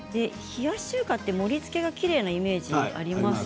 冷やし中華は盛りつけがきれいなイメージがあります。